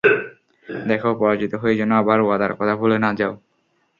দেখ, পরাজিত হয়ে যেন আবার ওয়াদার কথা ভুলে না যাও।